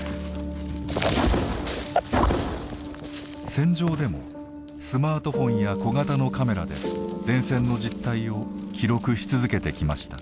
戦場でもスマートフォンや小型のカメラで前線の実態を記録し続けてきました。